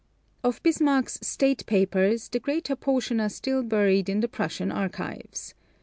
Of Bismarck's State papers, the greater portion are still buried in the Prussian archives.